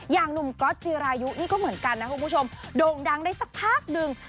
อย่างหนุ่มก๊อตจิรายุนี่ก็เหมือนกันนะคุณผู้ชมโด่งดังได้สักพักหนึ่ง